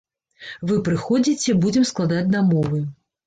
Вы прыходзіце, будзем складаць дамовы.